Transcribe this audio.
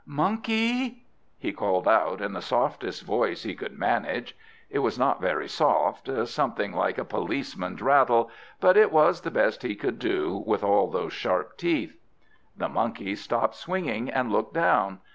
"Monkey!" he called out, in the softest voice he could manage. It was not very soft, something like a policeman's rattle; but it was the best he could do, with all those sharp teeth. The Monkey stopped swinging, and looked down.